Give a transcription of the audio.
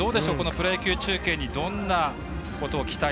プロ野球にどんなことを期待